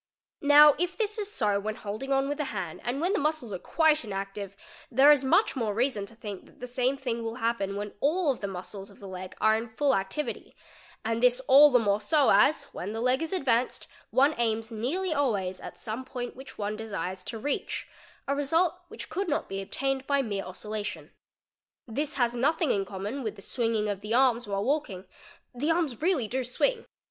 Now if this is so when holding on : with the hand and when the muscles are quite inactive, there is much more reason to think that the same thing will happen when all the : muscles of the leg are in full activity, and this all the more so as when the leg is advanced one aims nearly always at some point which one desires to reach, a result which could not be obtained by mere oscillation This has nothing in common with the swinging of the arms while wal ie ing: the arms really do swing.